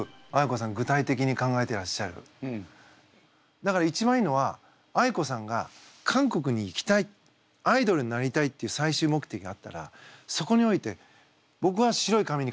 だから一番いいのはあいこさんが韓国に行きたいアイドルになりたいっていう最終目的があったらそこにおいてぼくは白い紙に書くのが好きなの。